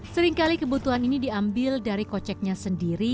seringkali kebutuhan ini diambil dari koceknya sendiri